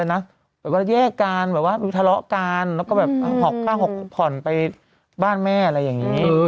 นะว่าแยกการว่าถาระการแล้วก็แบบหอกข้างหกผ่อนไปบ้านแม่อะไรอย่างนี้